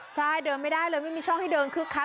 ใช่เดินไม่ได้เลยไม่มีช่องให้เดินคึกคัก